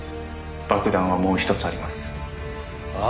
「爆弾はもう一つあります」ああ？